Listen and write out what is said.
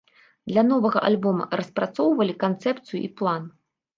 Для новага альбома распрацоўвалі канцэпцыю і план?